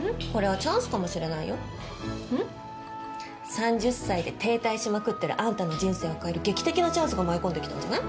３０歳で停滞しまくってるあんたの人生を変える劇的なチャンスが舞い込んで来たんじゃない？